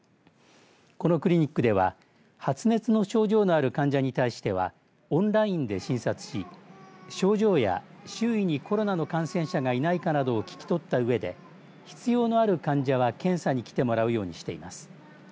このクリニックでは発熱の症状のある患者に対してはオンラインで診察し症状や周囲にコロナの感染者がいないかなどを聞き取ったうえで必要のある患者は検査に来てもらうようにしています。